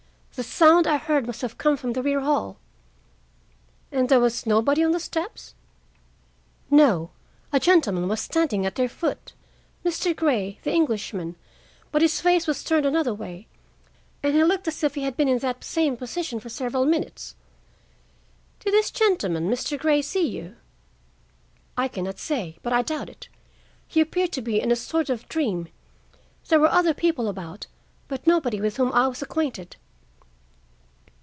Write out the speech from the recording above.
The sound I heard must have come from the rear hall." "And there was nobody on the steps?" "No. A gentleman was standing at their foot—Mr. Grey, the Englishman—but his face was turned another way, and he looked as if he had been in that same position for several minutes." "Did this gentleman—Mr. Grey—see you?" "I can not say, but I doubt it. He appeared to be in a sort of dream. There were other people about, but nobody with whom I was acquainted."